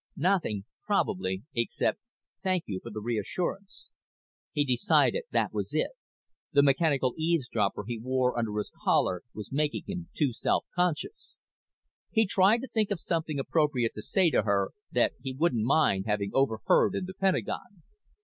Nothing, probably, except "Thank you for the reassurance." He decided that was it; the mechanical eavesdropper he wore under his collar was making him too self conscious. He tried to think of something appropriate to say to her that he wouldn't mind having overheard in the Pentagon.